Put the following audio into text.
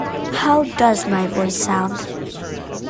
How does my voice sound?